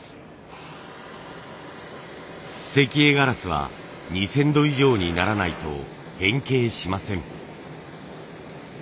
石英ガラスは２，０００度以上にならないと変形しません。